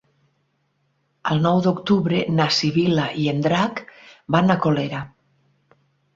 El nou d'octubre na Sibil·la i en Drac van a Colera.